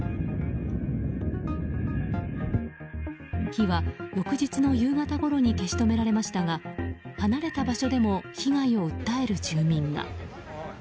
火は翌日の夕方ごろに消し止められましたが離れた場所でも被害を訴える住民が。